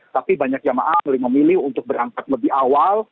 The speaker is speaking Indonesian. tapi banyak jamaah memilih untuk berangkat lebih awal